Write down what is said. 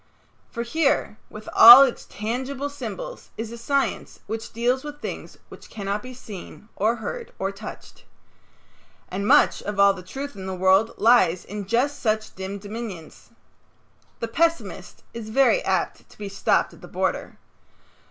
For here, with all its tangible symbols, is a science which deals with things which cannot be seen or heard or touched. And much of all the truth in the world lies in just such dim dominions. The pessimist is very apt to be stopped at the border.